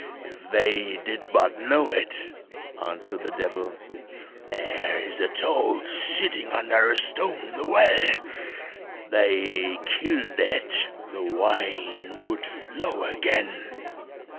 if they did but know it," answered the devil; "there is a toad sitting under a stone in the well; if they killed it, the wine would flow again."